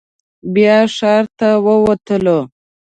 بیا ښار ته ووتلو.